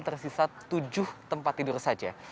tersisa tujuh tempat tidur saja